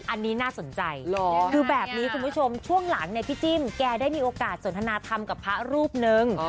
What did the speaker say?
อันนี้น่าสนใจคือแบบนี้คุณผู้ชมช่วงหลังเนี่ยพี่จิ้มแกได้มีโอกาสสนทนาธรรมกับพระรูปนึง